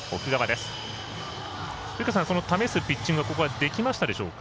藤川さん、試すピッチングここはできましたでしょうか？